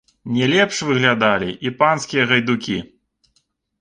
Не лепш выглядалі і панскія гайдукі.